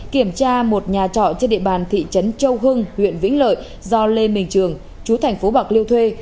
kiểm tra một nhà trọ trên địa bàn thị trấn châu hưng huyện vĩnh lợi do lê minh trường chú thành phố bạc liêu thuê